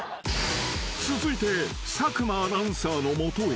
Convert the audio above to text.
［続いて佐久間アナウンサーの元へ］